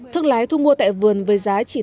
thức lái thu mua tại vườn với giá chỉ từ ba mươi đồng